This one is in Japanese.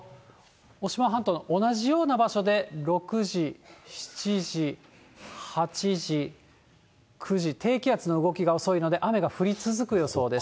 渡島半島の同じような場所で６時、７時、８時、９時、低気圧の動きが遅いので、雨が降り続く予想です。